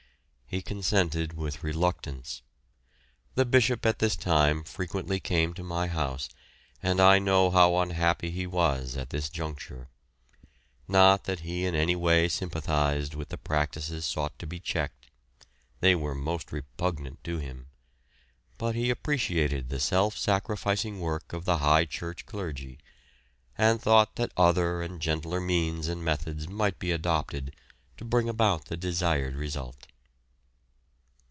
He consented with reluctance. The Bishop at this time frequently came to my house and I know how unhappy he was at this juncture; not that he in any way sympathised with the practices sought to be checked they were most repugnant to him but he appreciated the self sacrificing work of the high church clergy, and thought that other and gentler means and methods might be adopted to bring about the desired result.